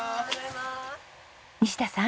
西田さん